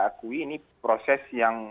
akui ini proses yang